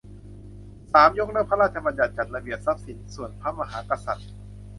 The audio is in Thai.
สาม ยกเลิก พระราชบัญญัติจัดระเบียบทรัพย์สินส่วนพระมหากษัตริย์